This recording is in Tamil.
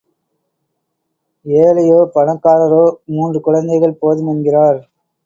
ஏழையோ பணக்காரரோ மூன்று குழந்தைகள் போதும் என்கிறார்.